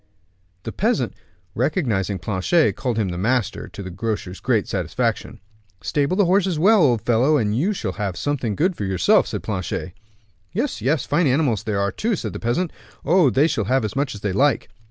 The peasant, recognizing Planchet, called him "the master," to the grocer's great satisfaction. "Stable the horses well, old fellow, and you shall have something good for yourself," said Planchet. "Yes, yes; fine animals they are too," said the peasant. "Oh! they shall have as much as they like."